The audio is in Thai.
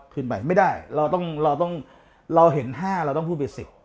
ขึ้นไปไม่ได้เราต้องเราเห็น๕เราต้องพูดเป็น๑๐